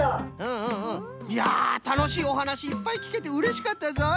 いやたのしいおはなしいっぱいきけてうれしかったぞい。